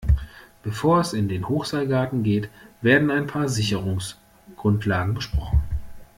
Bevor es in den Hochseilgarten geht, werden ein paar Sicherungsgrundlagen besprochen.